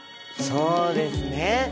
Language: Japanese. そうですね。